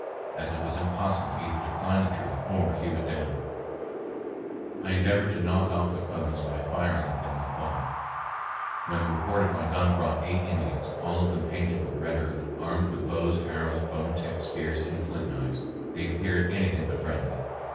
As it was impossible either to climb the tree or hew it down, I endeavored to knock off the cones by firing at them with ball, when the report of my gun brought eight Indians, all of them painted with red earth, armed with bows, arrows, bone tipped spears, and flint knives. They appeared anything but friendly.